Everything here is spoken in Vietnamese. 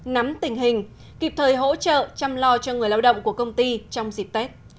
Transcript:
nắm tình hình kịp thời hỗ trợ chăm lo cho người lao động của công ty trong dịp tết